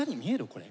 これ。